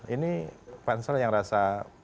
ini pansel yang rasa